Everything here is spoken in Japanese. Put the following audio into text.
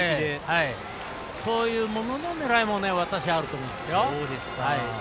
そういうものの狙いも私はあると思いますよ。